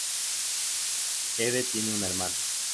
Eve tiene una hermana.